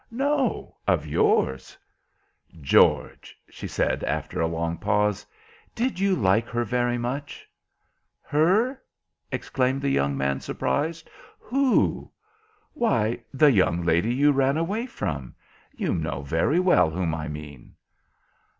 "No, of yours." "George," she said, after a long pause, "did you like her very much?" "Her?" exclaimed the young man, surprised. "Who?" "Why, the young lady you ran away from. You know very well whom I mean."